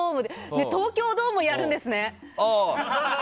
ねえ、東京ドームやるんですね！